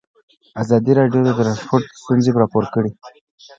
ازادي راډیو د ترانسپورټ ستونزې راپور کړي.